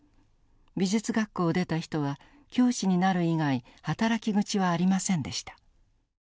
美術学校を出た人は教師になる以外働き口はありませんでした。